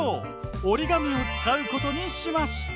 折り紙を使うことにしました。